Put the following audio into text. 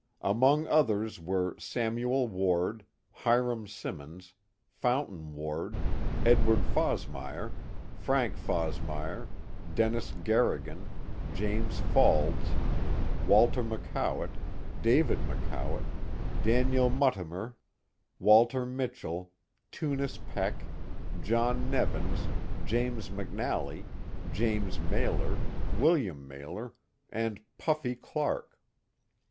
Among others were Samuel Ward, Hiram Simmons, Fountain Ward, Edward Fosmire, Frank Fosmire, Dennis Garrigan, James Faulds, Walter McCowatt, David McCowalt, Daniel Mutimer, Walter Early Industries 34 ' Mitchell, Tunis Peck, John Nevins, James McNally, James Mailor, Wm. Mailor, and '' Puffy '' Clark.